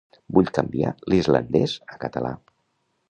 Vull canviar l'islandès a català.